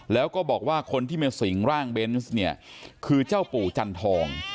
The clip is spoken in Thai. แล้วก็บอกว่าคนที่มาสิงร่างเบนส์เนี่ยคือเจ้าปู่จันทอง